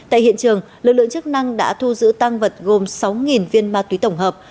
tại hiện trường lực lượng chức năng đã thu giữ tăng vật gồm sáu viên ma túy tổng hợp